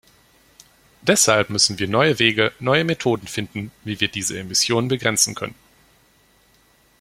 Deshalb müssen wir neue Wege, neue Methoden finden, wie wir diese Emissionen begrenzen können.